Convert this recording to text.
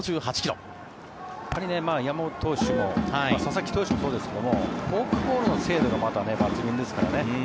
山本投手も佐々木投手もそうですがフォークボールの精度がまた抜群ですからね。